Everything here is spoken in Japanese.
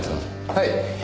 はい。